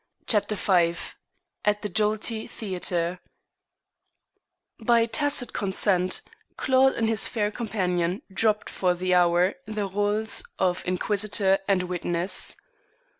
CHAPTER V AT THE JOLLITY THEATRE By tacit consent, Claude and his fair companion dropped for the hour the rôles of inquisitor and witness.